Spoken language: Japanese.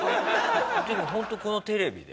ホントこのテレビで？